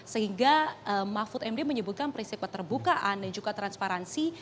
sehingga mahfud md menyebutkan prinsip keterbukaan dan juga transparansi